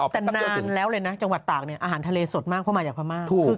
แต่นานถึงแล้วเลยนะจังหวัดตากเนี่ยอาหารทะเลสดมากเพราะมาจากพม่า